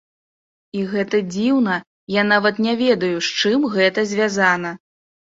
І гэта дзіўна, я нават не ведаю, з чым гэта звязана.